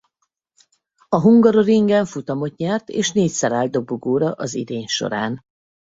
A Hungaroringen futamot nyert és négyszer állt dobogóra az idény során.